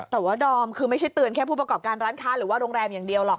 แต่ว่าดอมคือไม่ใช่เตือนแค่ผู้ประกอบการร้านค้าหรือว่าโรงแรมอย่างเดียวหรอก